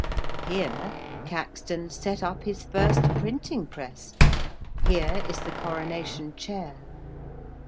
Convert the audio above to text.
Here Caxton set up his first printing press: here is the coronation chair.